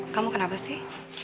kamu kenapa sih